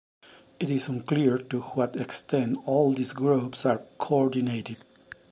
It is unclear to what extent all these groups are co-ordinated.